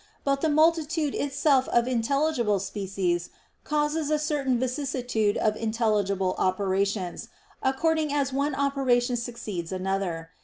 But the multitude itself of intelligible species causes a certain vicissitude of intelligible operations, according as one operation succeeds another.